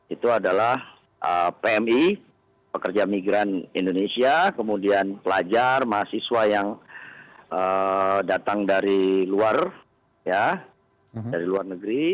itu adalah pmi pekerja migran indonesia kemudian pelajar mahasiswa yang datang dari luar dari luar negeri